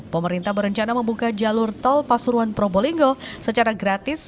pemerintah berencana membuka jalur tol pasuruan probolinggo secara gratis